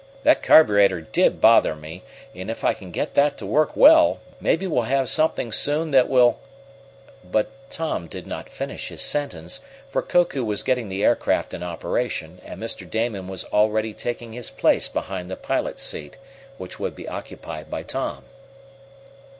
That carburetor did bother me, and if I can get that to work well, maybe we'll have something soon that will " But Tom did not finish his sentence, for Koku was getting the aircraft in operation and Mr. Damon was already taking his place behind the pilot's seat, which would be occupied by Tom.